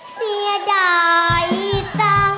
เสียดายจัง